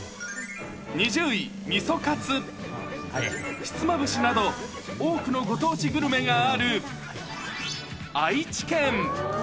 ２０位、味噌カツ、ひつまぶしなど、多くのご当地グルメがある愛知県。